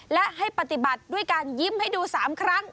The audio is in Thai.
และให้ปฏิบัติด้วยการยิ้มให้ดู๓ครั้ง